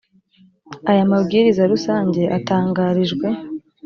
aya mabwiriza rusange atangarijwe